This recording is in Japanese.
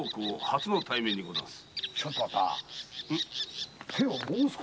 初の対面にござんす。